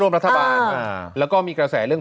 ร่วมรัฐบาลแล้วก็มีกระแสเรื่องของ